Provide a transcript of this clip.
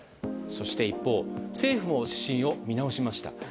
そして一方政府も指針を見直しました。